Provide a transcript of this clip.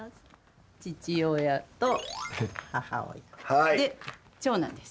父親と母親で長男です。